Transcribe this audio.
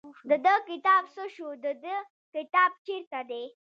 د ده کتاب څه شو د دې کتاب چېرته دی.